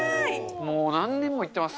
もう何年も言ってます。